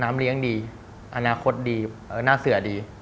เลี้ยงดีอนาคตดีหน้าเสือดี